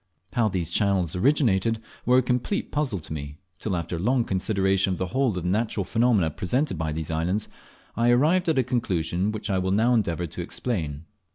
How these channels originated were a complete puzzle to me, till, after a long consideration of the whole of the natural phenomena presented by these islands, I arrived at a conclusion which I will now endeavour to explain.